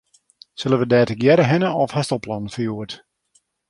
Sille we dêr tegearre hinne of hast al plannen foar hjoed?